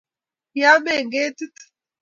kiame eng ketit